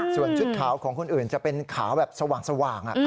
ส่วนชุดขาวของคนอื่นจะเป็นขาวแบบสว่าง